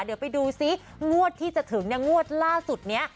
เดี๋ยวไปดูซิงวดที่จะถึงเนี่ยงวดล่าสุดนี้